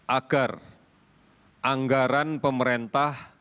agar anggaran pemerintah